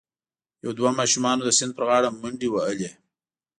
یو دوه ماشومانو د سیند پر غاړه منډې وهلي.